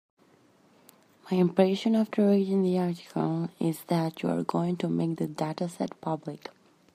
My impression after reading the article is that you are going to make the dataset public.